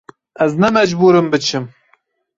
Ez ne mecbûr im biçim.